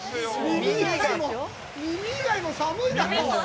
耳以外も寒いだろ！